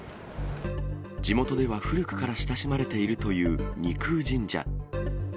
地元では古くから親しまれているという二宮神社。